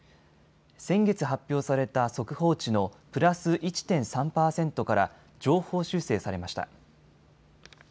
先月発表された速報値のプラス１．３％から上方修正されました。